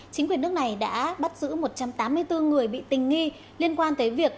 chính quyền nước này đã bắt giữ một trăm tám mươi bốn người bị tình nghi liên quan tới việc